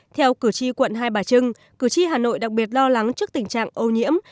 theo cử tri quận hai bà trưng cử tri hà nội đặc biệt lo lắng trước tình trạng ô nhiễm